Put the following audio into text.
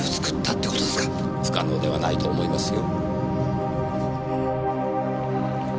不可能ではないと思いますよ。